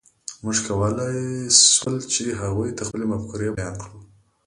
موږ کولی شول، چې هغوی ته خپلې مفکورې بیان کړو.